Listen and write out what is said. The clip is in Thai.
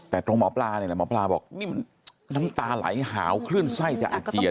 แต่ตรงหมอปลานี่แหละหมอปลาบอกนี่น้ำตาไหลหาวคลื่นไส้จะอาเจียน